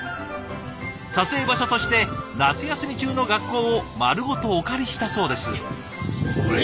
撮影場所として夏休み中の学校を丸ごとお借りしたそうです。